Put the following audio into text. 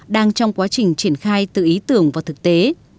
đang trong quá trình triển khai từ ý tưởng và thực tế